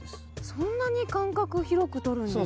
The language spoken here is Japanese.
そんなに間隔広くとるんですか？